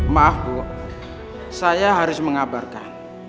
maaf bu saya harus mengabarkan